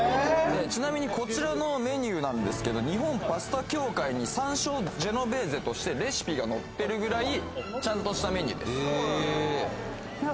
ちなみにこちらのメニューなんですけど日本パスタ協会に山椒ジェノベーゼとしてレシピが載ってるぐらいちゃんとしたメニューです・そうなんだいや